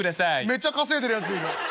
「めっちゃ稼いでるやついる。